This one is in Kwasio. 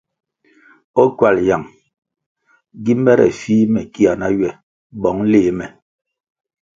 O ckywal yang gi mere fih me kia na ywe bong léh me?